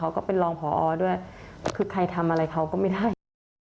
ก็เป็นรองพอด้วยคือใครทำอะไรเขาก็ไม่ได้